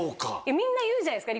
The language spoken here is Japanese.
みんな言うじゃないですか。